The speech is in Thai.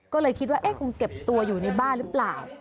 ก็เลยคิดว่าคงเก็บตัวอยู่ในบ้านหรือเปล่า